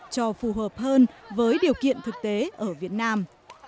cho phù hợp hơn với điều kiện thực tế ở việt nam